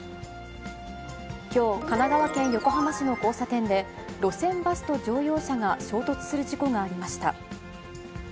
きょう、神奈川県横浜市の交差点で、路線バスと乗用車が衝突する事故がありました。